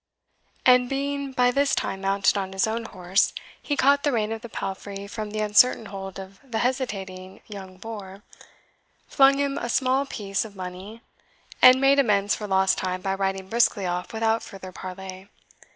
And being by this time mounted on his own horse, he caught the rein of the palfrey from the uncertain hold of the hesitating young boor, flung him a small piece of money, and made amends for lost time by riding briskly off without further parley.